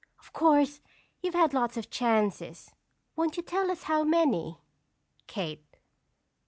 Of course you've had lots of chances. Won't you tell us how many? "_Kate.